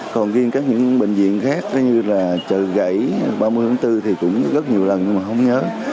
còn riêng các những bệnh viện khác như là chợ gãy ba mươi tháng bốn thì cũng rất nhiều lần nhưng mà không nhớ